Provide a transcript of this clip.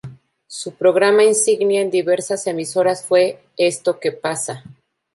Su programa insignia en diversas emisoras fue "Esto que pasa".